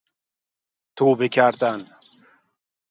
توبه کردن